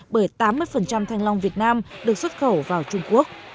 bởi tám mươi thanh long việt nam được xuất khẩu vào trung quốc